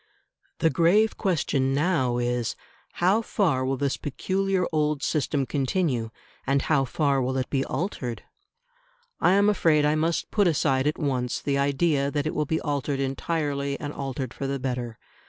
The grave question now is, How far will this peculiar old system continue and how far will it be altered? I am afraid I must put aside at once the idea that it will be altered entirely and altered for the better.